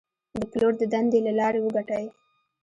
د پلور د دندې له لارې وګټئ.